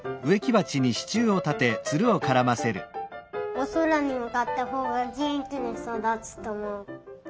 おそらにむかったほうがげんきにそだつとおもう。